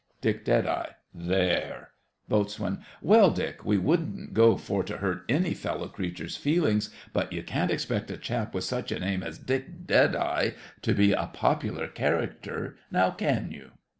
DICK. There! BOAT. Well, Dick, we wouldn't go for to hurt any fellow creature's feelings, but you can't expect a chap with such a name as Dick Deadeye to be a popular character—now can you?